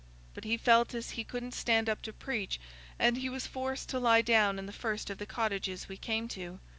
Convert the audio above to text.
But he felt as he couldn't stand up to preach, and he was forced to lie down in the first of the cottages we came to.